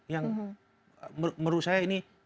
yang menurut saya